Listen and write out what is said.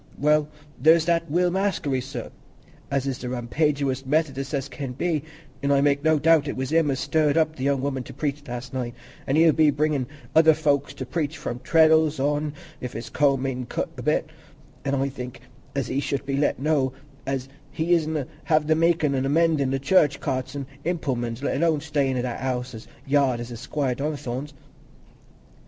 But there's that Will Maskery, sir as is the rampageousest Methodis as can be, an' I make no doubt it was him as stirred up th' young woman to preach last night, an' he'll be a bringin' other folks to preach from Treddles'on, if his comb isn't cut a bit; an' I think as he should be let know as he isna t' have the makin' an' mendin' o' church carts an' implemen's, let alone stayin' i' that house an' yard as is Squire Donnithorne's."